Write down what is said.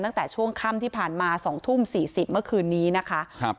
ตั้งแต่ช่วงค่ำที่ผ่านมา๒ทุ่ม๔๐เมื่อคืนนี้นะคะครับ